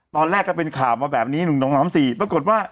ก็เป็นข่าวมาแบบนี้๑๒๓๔ปรากฏว่า